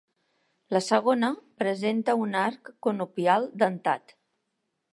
La segona presenta un arc conopial dentat.